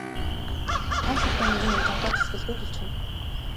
Ам султай нэг нь ээж аавдаа тэсгэлгүй хэлчихнэ.